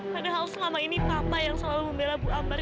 padahal selama ini papa yang selalu membela bu ambar